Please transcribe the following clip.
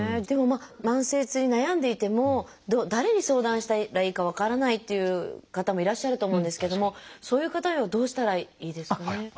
でも慢性痛に悩んでいても誰に相談したらいいか分からないっていう方もいらっしゃると思うんですけどもそういう方はどうしたらいいですかね？